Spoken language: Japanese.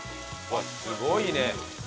すごいね。